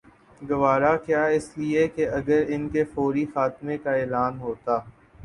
گوارا کیا اس لیے کہ اگر ان کے فوری خاتمے کا اعلان ہوتا